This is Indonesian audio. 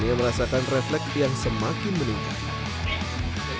ia merasakan refleks yang semakin meningkat